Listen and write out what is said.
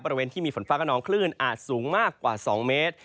บริเวณที่มีฝนฟ้ากระนองคลื่นอาจสูงมากกว่า๒เมตร